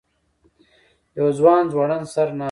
یو ځوان ځوړند سر ناست و.